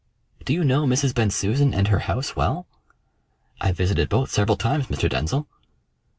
Do you know Mrs. Bensusan and her house well?" "I've visited both several times, Mr. Denzil."